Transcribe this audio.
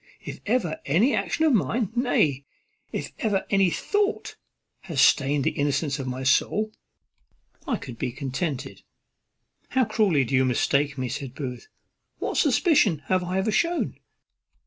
If ever any action of mine, nay, if ever any thought, had stained the innocence of my soul, I could be contented." "How cruelly do you mistake me!" said Booth. "What suspicion have I ever shewn?"